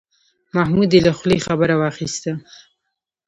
محمود یې له خولې خبره واخیسته.